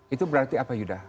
itu berarti apa yuda